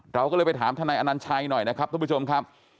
เราก็เลยไปถามทนายอนัญชัยหน่อยนะครับทุกผู้ชมครับ